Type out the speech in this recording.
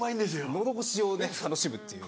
喉越しをね楽しむっていう感じ。